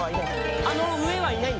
あの上はいない？